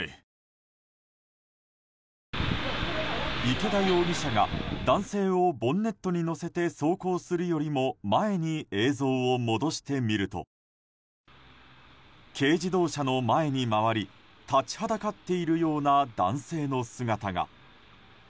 池田容疑者が男性をボンネットに乗せて走行するよりも前に映像を戻してみると軽自動車の前に回り立ちはだかっているような男性の姿が。